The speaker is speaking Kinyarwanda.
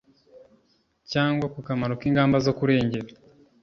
cyangwa ku kamaro k ingamba zo kurengera